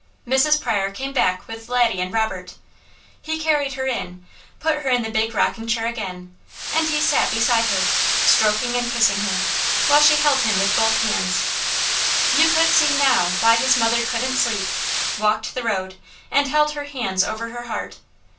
Mrs. Pryor came back with Laddie and Robert. He carried her in, put her in the big rocking chair again, and he sat beside her, stroking and kissing her, while she held him with both hands. You could see NOW why his mother couldn't sleep, walked the road, and held her hands over her heart.